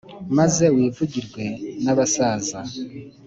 maze wivugirwe n’abasaza